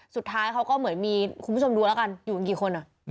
สุดท้ายเขาก็เหมือนมีคุณผู้ชมดูแล้วกันอยู่กี่คน